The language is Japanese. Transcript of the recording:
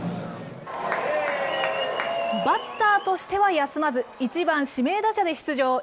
バッターとしては休まず、１番指名打者で出場。